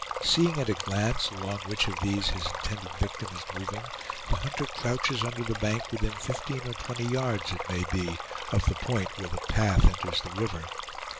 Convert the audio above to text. Seeing at a glance along which of these his intended victim is moving, the hunter crouches under the bank within fifteen or twenty yards, it may be, of the point where the path enters the river.